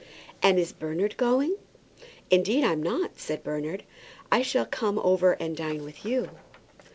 "And is Bernard going?" "Indeed I'm not," said Bernard. "I shall come over and dine with you."